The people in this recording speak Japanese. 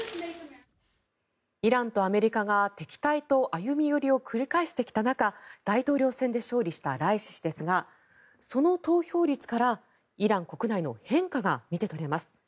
イランとアメリカが敵対と歩み寄りを繰り返してきた中大統領選で勝利したライシ師ですがその投票率からイラン国内の変化が見て取れます。